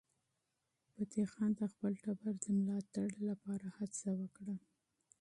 فتح خان د خپل ټبر د ملاتړ لپاره هڅه وکړه.